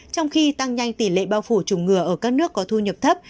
trong khi tăng nhanh tỷ lệ bao phủ chủng ngừa ở các nước có thu nhập thấp